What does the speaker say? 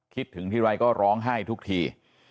คิดถึงทีไรก็ร้องไห้ทุกที